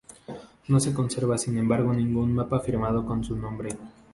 No se conserva sin embargo ningún mapa firmado con su nombre.